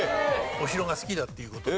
お城が好きだっていう事で。